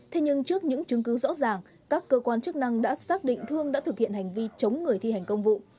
thế nhưng trước những chứng cứ rõ ràng các cơ quan chức năng đã xác định thương đã thực hiện hành vi chống người thi hành công vụ